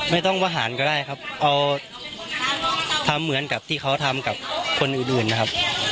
ไม่ต้องประหารก็ได้ครับเอาทำเหมือนกับที่เขาทำกับคนอื่นนะครับ